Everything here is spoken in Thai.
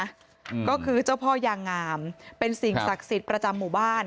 อืมก็คือเจ้าพ่อยางงามเป็นสิ่งศักดิ์สิทธิ์ประจำหมู่บ้าน